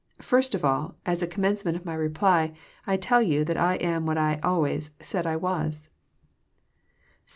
First of all, as a commencement of My reply, I tell you that I am what I always said I was."